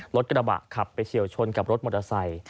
รถกระบะขับไปเฉียวชนกับรถมอเตอร์ไซค์